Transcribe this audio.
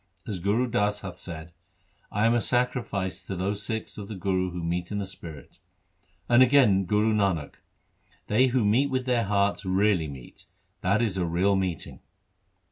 As Gur Das hath said, " I am a sacrifice to those Sikhs of the Guru who meet in the spirit." And again Guru Nanak :— They who meet with their hearts really meet ; that is a real meeting.